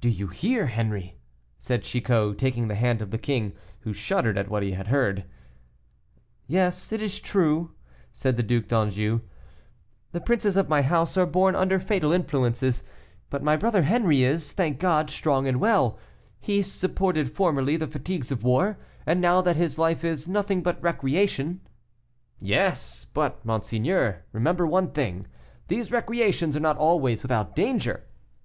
"Do you hear, Henri?" said Chicot, taking the hand of the king, who shuddered at what he heard. "Yes, it is true," said the Duc d'Anjou, "the princes of my house are born under fatal influences; but my brother Henri is, thank God, strong and well; he supported formerly the fatigues of war, and now that his life is nothing but recreation " "Yes; but, monseigneur, remember one thing; these recreations are not always without danger.